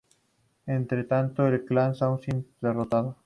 Entre tanto el clan Aizu es derrotado.